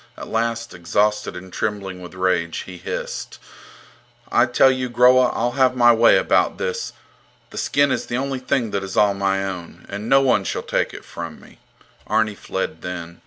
At last, exhausted and trembling with rage, he hissed: I tell you, Groa. I'll have my way about this. The skin is the only thing that is all my own, and no one shall take it from me. Arni fled then.